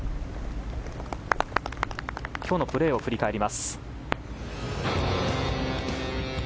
今日のプレーを振り返ります。